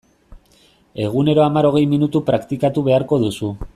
Egunero hamar-hogei minutu praktikatu beharko duzu.